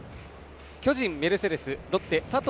巨人、メルセデスロッテ、佐藤